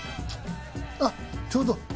あっちょうど。